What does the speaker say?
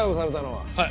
はい。